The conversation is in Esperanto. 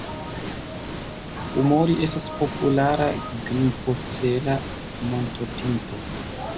Pumori estas populara grimpocela montopinto.